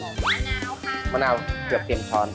มะนาวค่ะมะนาวเกือบเต็มช้อน